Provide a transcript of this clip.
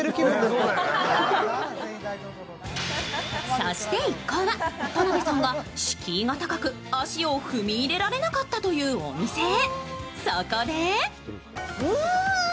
そして一行は、田辺さんが敷居が高く、足を踏み入れられなかったというお店へ。